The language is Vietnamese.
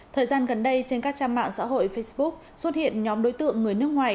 thời gian gần đây trên các trang mạng xã hội facebook xuất hiện nhóm đối tượng người nước ngoài